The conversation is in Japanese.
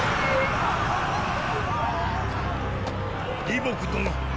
李牧殿。